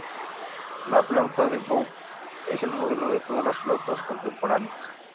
La flauta de Böhm es el modelo de todas las flautas contemporáneas.